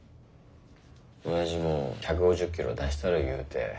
おやじも１５０キロ出したる言うて。